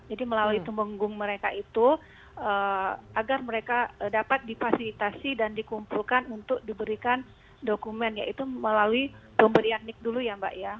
jadi melalui tumbuh ngunggung mereka itu agar mereka dapat dipasilitasi dan dikumpulkan untuk diberikan dokumen yaitu melalui domberianik dulu ya mbak ya